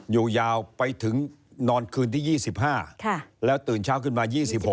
ยาวไปถึงนอนคืนที่๒๕แล้วตื่นเช้าขึ้นมา๒๖